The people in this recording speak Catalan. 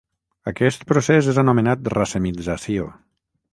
Aquest procés és anomenat racemització.